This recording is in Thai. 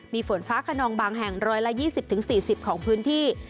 มีฝนฟ้าขนองบางแห่ง๑๒๐๔๐ของพื้นที่